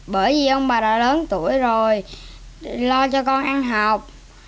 bởi vì ông mà đã lớn tuổi rồi lo cho con ăn học